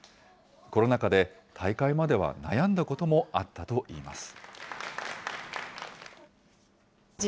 コロナ禍で、大会までは悩んだこともあったといいます。